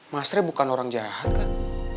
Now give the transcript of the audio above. mas rey bukan orang jahat kak